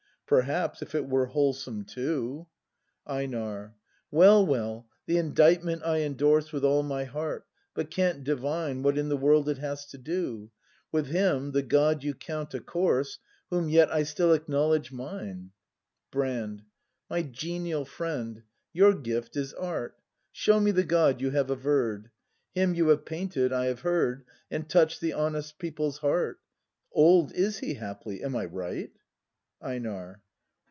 Perhaps, if it were wholesome too. ACT I] BRAND 41 EiNAR. Well, well, the indictment I endorse With all my heart; but can't divine What in the world it has to do With Him, the God you count a corse, Whom yet I still acknowledge mine. Brand. My genial friend, your gift is Art; — Show me the God you have averr'd. Him you have painted, I have heard. And touch'd the honest people's heart. Old is he haply; am I right? EiNAR.